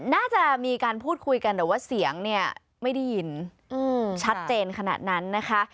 น่าจะมีการพูดคุยกันแต่ว่าเสียงเนี่ยไม่ได้ยินชัดเจนขนาดนั้นนะคะ